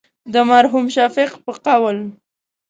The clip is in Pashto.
د مرحوم شفیق په قول.